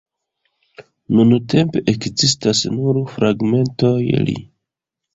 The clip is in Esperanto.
Nuntempe ekzistas nur fragmentoj li.